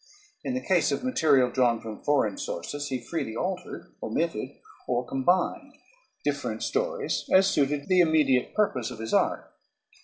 In the case of material drawn from foreign sources he freely altered, omitted, or combined different stories as suited the immediate purpose of his art.